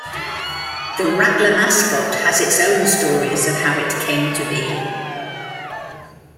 The Rattler mascot has its own stories of how it came to be.